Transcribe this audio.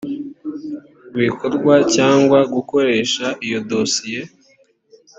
mu bikorwa cyangwa gukoresha iyo dosiye